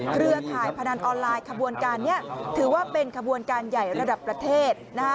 เครือข่ายพนันออนไลน์ขบวนการนี้ถือว่าเป็นขบวนการใหญ่ระดับประเทศ